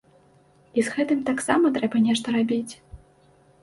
І з гэтым таксама трэба нешта рабіць.